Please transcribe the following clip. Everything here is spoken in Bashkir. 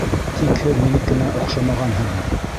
Тик һеҙ минекенә оҡшамағанһығыҙ.